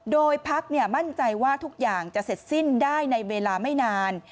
โดยพักมั่นใจว่าทุกอย่างจะเสร็จสิ้นได้ในเวลาไม่นาน